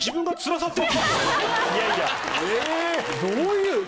どういう。